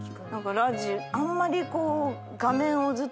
あんまり。